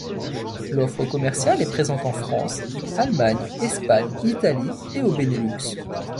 L’offre commerciale est présente en France, Allemagne, Espagne, Italie et au Benelux.